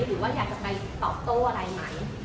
หรือว่าอยากจะไปตอบโต้อะไรไหม